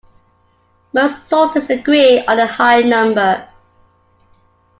Most sources agree on the higher number.